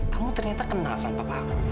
kamu ternyata kenal sama bapakku